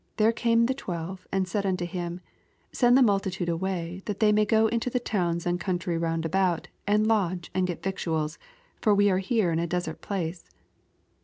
then oame the twelve, and said onto nim, Send the mnltitade away, that they may go into the towns and conntry roond about, and lodge, and Set viotaals: for we are here in a esert place.